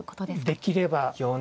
できれば。